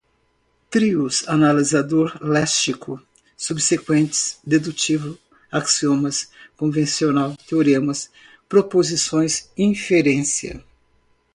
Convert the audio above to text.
trios, analisador léxico, subsequentes, dedutivo, axiomas, convencional, teoremas, proposições, inferência